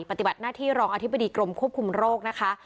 ปฏิบัติหน้าที่รองอธิบดีกรมควบคุมโรคนะคะ